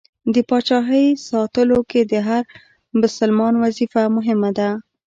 د پاچایۍ ساتلو کې د هر بسلمان وظیفه مهمه ده.